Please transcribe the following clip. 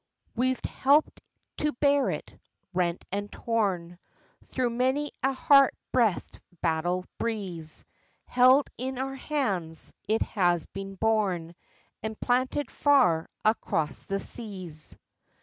We've helped to bear it, rent and torn, Through many a hot breath'd battle breeze; Held in our hands, it has been borne And planted far across the seas.